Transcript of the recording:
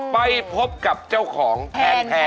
ไปพบกับเจ้าของพ